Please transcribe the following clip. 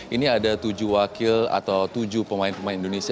ini ada tujuh wakil atau tujuh pemain pemain indonesia